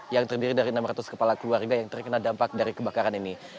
yang terdiri dari enam ratus kepala keluarga yang terkena dampak dari kebakaran ini